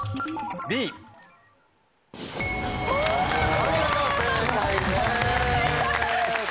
お見事正解です。